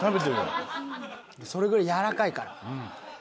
それぐらい軟らかいから。